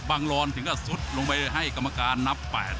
รอนถึงก็ซุดลงไปให้กรรมการนับ๘